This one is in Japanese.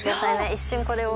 一瞬これを。